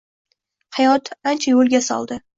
Hayot ancha yo’lga soldi.